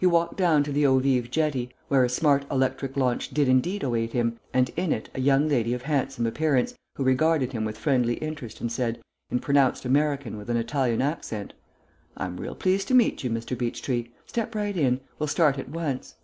He walked down to the Eaux Vives jetty, where a smart electric launch did indeed await him, and in it a young lady of handsome appearance, who regarded him with friendly interest and said, in pronounced American with an Italian accent, "I'm real pleased to meet you, Mr. Beechtree. Step right in. We'll start at once."